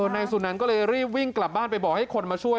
นายสุนันก็เลยรีบวิ่งกลับบ้านไปบอกให้คนมาช่วย